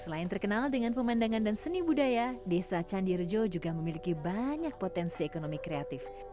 selain terkenal dengan pemandangan dan seni budaya desa candirejo juga memiliki banyak potensi ekonomi kreatif